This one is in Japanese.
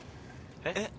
えっ？